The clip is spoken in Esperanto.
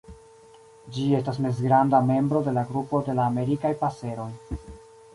Ĝi estas mezgranda membro de la grupo de la Amerikaj paseroj.